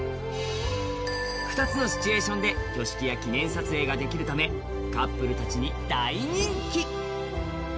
２つのシチュエーションで挙式や記念撮影ができるためカップルたちに大人気。